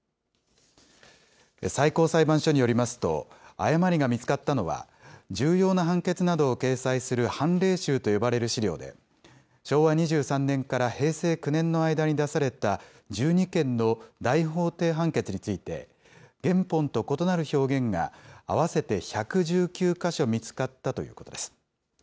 最高裁判所によりますと、誤りが見つかったのは、重要な判決などを掲載する判例集と呼ばれる資料で、昭和２３年から平成９年の間に出された１２件の大法廷判決について、原本と異なる表現が合わせて１１９か所見つかったということです。